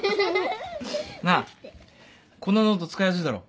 なあこのノート使いやすいだろ。